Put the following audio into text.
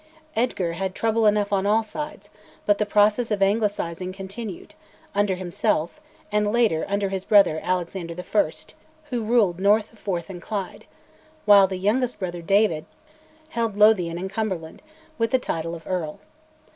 Eadgar had trouble enough on all sides, but the process of anglicising continued, under himself, and later, under his brother, Alexander I., who ruled north of Forth and Clyde; while the youngest brother, David, held Lothian and Cumberland, with the title of Earl.